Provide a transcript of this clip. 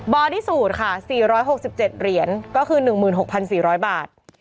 อดี้สูตรค่ะ๔๖๗เหรียญก็คือ๑๖๔๐๐บาท